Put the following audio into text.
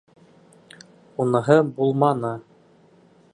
Уныһы булманы.